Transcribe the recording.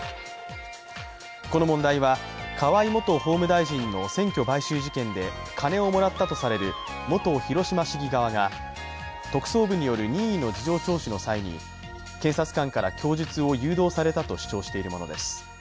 この問題は、河井元法務大臣の選挙買収事件で金をもらったとされる元広島市議側が特捜部による任意の事情聴取の際に検察官から供述を誘導されたと主張しているものです。